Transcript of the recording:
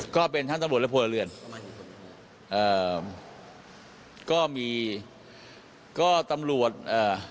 ก็เป็นทั้งตำรวจและพลเรือนเอ่อก็มีก็ตำรวจเอ่อ